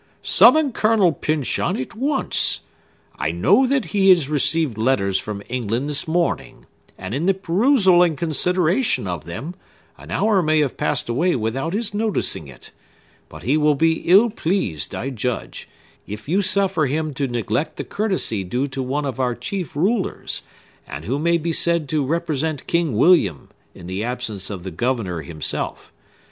Summon Colonel Pyncheon at once! I know that he received letters from England this morning; and, in the perusal and consideration of them, an hour may have passed away without his noticing it. But he will be ill pleased, I judge, if you suffer him to neglect the courtesy due to one of our chief rulers, and who may be said to represent King William, in the absence of the governor himself.